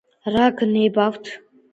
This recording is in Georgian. რა გნებავთ